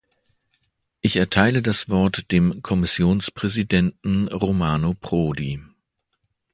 Ich erteile das Wort dem Kommissionspräsidenten Romano Prodi.